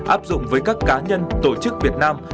áp dụng với các cá nhân tổ chức việt nam